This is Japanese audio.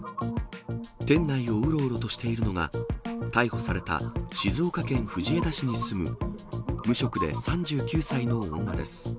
店内をうろうろとしているのが、逮捕された、静岡県藤枝市に住む無職で３９歳の女です。